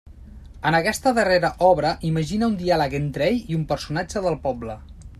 En aquesta darrera obra imagina un diàleg entre ell i un personatge del poble.